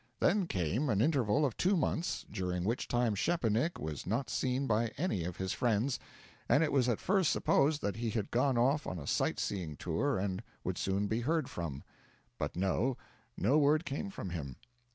Then came an interval of two months, during which time Szczepanik was not seen by any of his friends, and it was at first supposed that he had gone off on a sight seeing tour and would soon be heard from. But no; no word came from him.